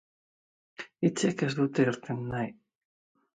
Hitzek ez dute irten nahi.